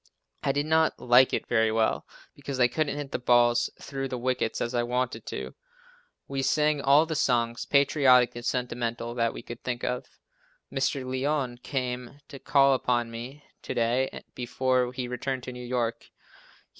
I did not like it very well, because I couldn't hit the balls through the wickets as I wanted to. "We" sang all the songs, patriotic and sentimental, that we could think of. Mr. Lyon came to call upon me to day, before he returned to New York.